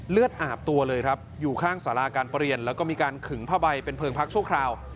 เลือดอาบตัวเลยครับอยู่ข้างสาราการเปลี่ยนแล้วก็มีการขึงผ้าใบเป็นเพลิงพักชั่วคราว